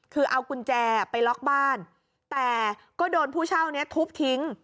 คือเอากุญแจไปล็อกบ้านแต่ก็โดนผู้เช่านี้ทุบทิ้ง